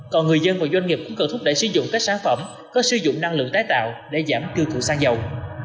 còn người dân và doanh nghiệp cũng cần thúc đẩy sử dụng các sản phẩm có sử dụng năng lượng tái tạo để giảm tiêu thụ xăng dầu